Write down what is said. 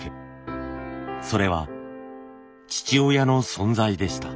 それは父親の存在でした。